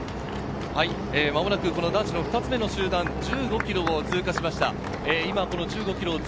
間もなく男子２つ目の集団、１５ｋｍを通過しました。